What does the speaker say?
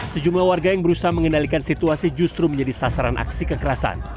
sejumlah warga yang berusaha mengendalikan situasi justru menjadi sasaran aksi kekerasan